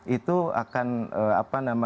itu akan menjadi